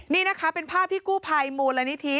นี่นะคะเป็นภาพที่กู้ภัยมูลนิธิ